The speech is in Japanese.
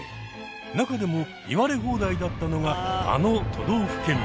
なかでも言われ放題だったのがあの都道府県民。